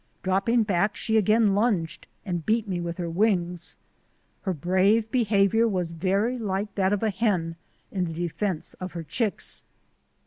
Dropping back she again lunged and beat me with her wings. Her brave behaviour was very like that of a hen in the defence of her chicks.